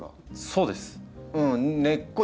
そうです。